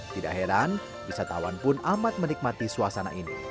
tidak heran wisatawan pun amat menikmati suasana ini